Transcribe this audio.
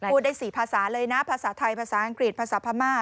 พูดได้๔ภาษาเลยนะภาษาไทยภาษาอังกฤษภาษาพม่า